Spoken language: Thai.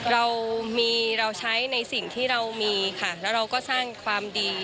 เรามีเราใช้ในสิ่งที่เรามีค่ะแล้วเราก็สร้างความดี